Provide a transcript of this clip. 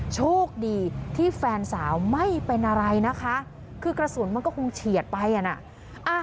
โชคดีที่แฟนสาวไม่เป็นอะไรนะคะคือกระสุนมันก็คงเฉียดไปอ่ะนะ